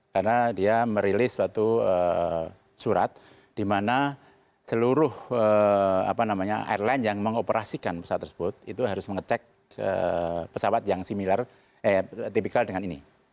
karena dia merilis suatu surat di mana seluruh airline yang mengoperasikan pesawat tersebut itu harus mengecek pesawat yang similir tipikal dengan ini